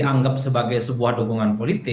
kalau ini dianggap sebagai sebuah dukungan politik